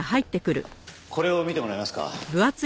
これを見てもらえますか？